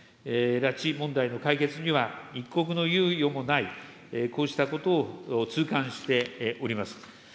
拉致問題の解決には一刻の猶予もない、こうしたことを痛感しております。